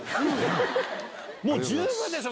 もう十分でしょ？